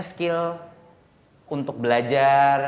skill untuk belajar